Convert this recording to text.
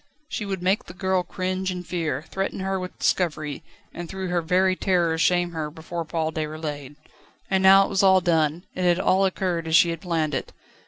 She would make the girl cringe and fear, threaten her with discovery, and through her very terror shame her before Paul Déroulède. And now it was all done; it had all occurred as she had planned it.